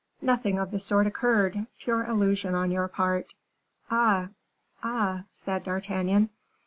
Nothing of the sort occurred; pure illusion on your part." "Ah! ah!" said D'Artagnan.